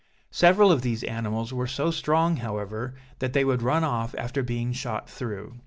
Several of these animals were so strong, however, that they would run off after being shot through.